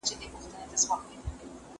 محلي حاکمان به د خپلو کړنو ځواب ورکوي.